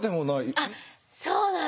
あっそうなんですね。